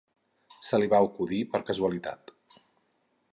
Se li va acudir per casualitat.